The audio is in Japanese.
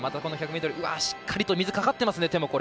しっかり水かかってますね、手も。